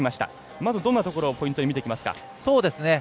まずどんなところをポイントに見ていきますか。